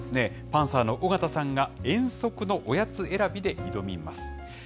パンサーの尾形さんが、遠足のおやつ選びで挑みます。